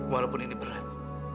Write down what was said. walaupun ini berat